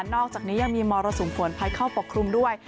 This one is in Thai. อกจากนี้ยังมีมรสุมฝนพัดเข้าปกครุมด้วย